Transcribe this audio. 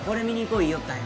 言いよったんよ